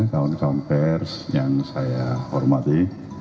kawan kawan pers yang saya hormati